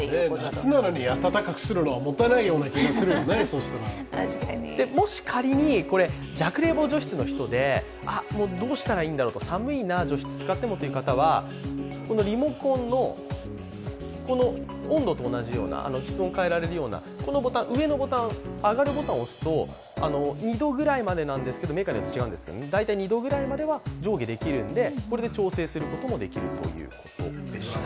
夏なのに暖かくするのはもったいないような気がするよねもし仮に弱冷房除湿の人で、どうしたらいいんだろうと寒いな、除湿使ってもという方は、リモコンの湿度を変えられるようなこのボタン、上のボタン上がるボタンを押すと２度くらいまで、メーカーによって違いますが、上下できるのでこれで調整することもできるということでした。